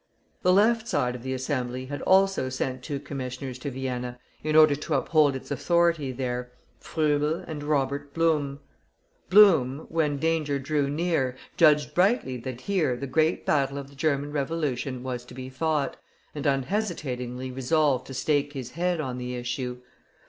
The left side of the Assembly had also sent two commissioners to Vienna, in order to uphold its authority there Froebel and Robert Blum. Blum, when danger drew near, judged rightly that here the great battle of the German Revolution was to be fought, and unhesitatingly resolved to stake his head on the issue.